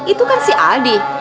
itu kan si aldi